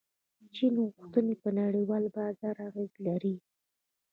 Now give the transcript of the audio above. چیني غوښتنې په نړیوال بازار اغیز لري.